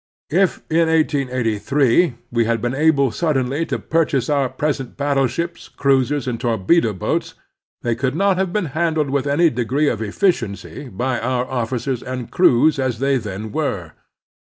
If in 1883 we had been able suddenly to purchase our present battleships, cruisers, and torpedo boats, they could not have been handled with any degree of efficiency by our officers and crews as they then were.